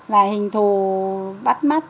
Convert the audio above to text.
và hình thù bắt mắt